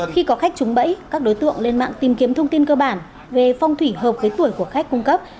khi có khách trúng bẫy các đối tượng lên mạng tìm kiếm thông tin cơ bản về phong thủy hợp với tuổi của khách cung cấp